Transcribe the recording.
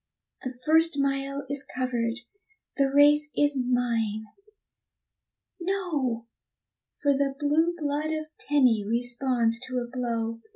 The first mile is covered, the race is mine no! For the blue blood of Tenny responds to a blow.